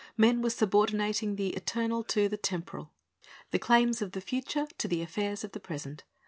^^ Men were subordinating the eternal to the temporal, the claims of the future to the affairs of the present.